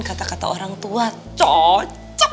kata kata orang tua cocok